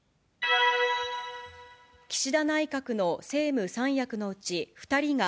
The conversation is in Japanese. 岸田内閣の政務三役のうち２人が、